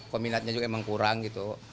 peminatnya juga emang kurang gitu